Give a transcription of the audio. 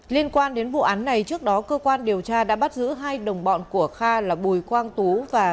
liên quan đến vụ án này trước đó cơ quan điều tra đã bắt giữ hai đồng bọn của kha là bùi quang tú và